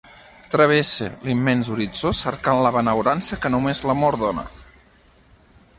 Travesse l'immens horitzó cercant la benaurança que només l'amor dona.